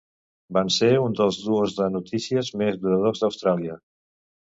Van ser un dels duos de notícies més duradors d'Austràlia.